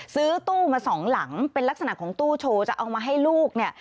ซื้อตู้มาสองหลังเป็นลักษณะของตู้โชว์จะเอามาให้ลูกเนี่ย